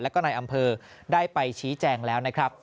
และก็ในอำเภอได้ไปชี้แจงแล้ว